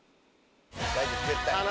大丈夫絶対！